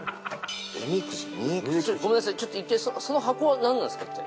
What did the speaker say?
ちょっとその箱は何なんですか？